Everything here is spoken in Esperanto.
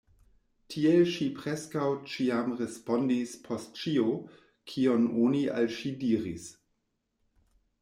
Tiel ŝi preskaŭ ĉiam respondis post ĉio, kion oni al ŝi diris.